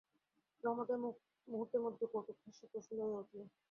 রহমতের মুখ মুহূর্তের মধ্যে কৌতুকহাস্যে প্রফুল্ল হইয়া উঠিল।